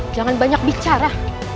jangan banyak bicara